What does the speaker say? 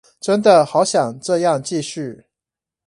真的好想這樣繼續